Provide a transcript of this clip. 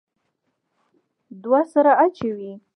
دوه سره اچوي.